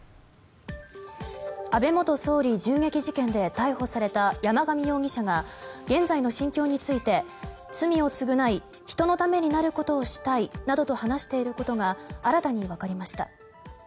安倍元総理銃撃事件で逮捕された山上容疑者が現在の心境について罪を償い、人のためになることをしたいなどと話していることが新たにわかりました。